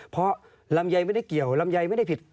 เพราะลำไยไม่ได้เกี่ยวลำไยไม่ได้ผิด